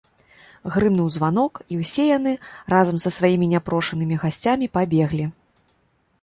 Грымнуў званок, і ўсе яны, разам са сваімі няпрошанымі гасцямі, пабеглі.